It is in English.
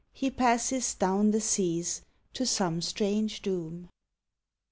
He passes down the seas to some strange doom.